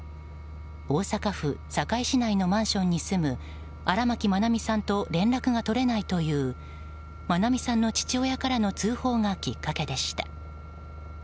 大阪府堺市内のマンションに住む荒牧愛美さんと連絡が取れないという愛美さんの父親からの通報がきっかけでした。